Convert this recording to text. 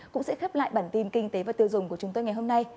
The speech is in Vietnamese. cũng sẽ khép lại bản tin kinh tế và tiêu dùng của chúng tôi ngày hôm nay